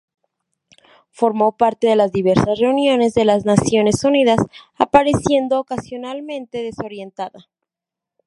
Formó parte de diversas reuniones de las Naciones Unidas, apareciendo ocasionalmente desorientada.